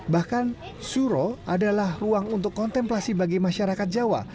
bahkan suro adalah ruang untuk kontemplasi bagi masyarakat jawa